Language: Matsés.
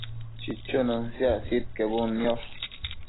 chichunën siac sidquebudniosh